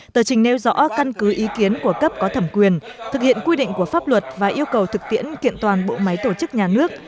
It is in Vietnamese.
tờ trình nêu rõ căn cứ ý kiến của cấp có thẩm quyền thực hiện quy định của pháp luật và yêu cầu thực tiễn kiện toàn bộ máy tổ chức nhà nước